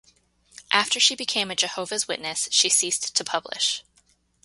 After she became a Jehovah's Witness she ceased to publish.